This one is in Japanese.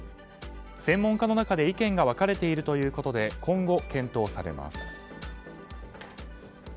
専門家の中で意見が分かれているということで今後、検討されます。